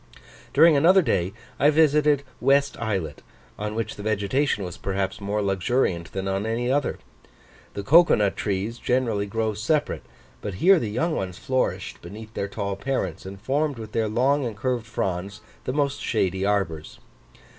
During another day I visited West Islet, on which the vegetation was perhaps more luxuriant than on any other. The cocoa nut trees generally grow separate, but here the young ones flourished beneath their tall parents, and formed with their long and curved fronds the most shady arbours.